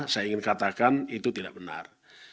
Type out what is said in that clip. saya ingin katakan itu tidak benar